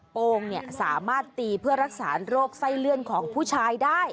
โปรงสามารถตีเพื่อรักษาโรคไส้เลื่อนของผู้ชายได้